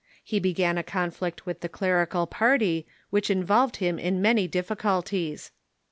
lie began a conflict witli the clerical party which involved him in many difticultie.s.